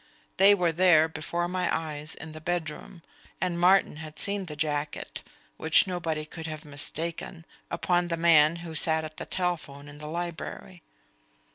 They were there before my eyes in the bedroom; and Martin had seen the jacket which nobody could have mistaken upon the man who sat at the telephone in the library.